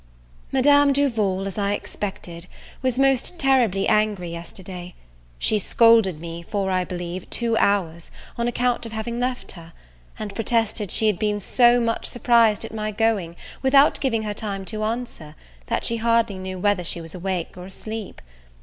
Madame Duval, as I expected, was most terribly angry yesterday: she scolded me for, I believe, two hours, on account of having left her; and protested she had been so much surprised at my going, without giving her time to answer, that she hardly knew whether she was awake or asleep.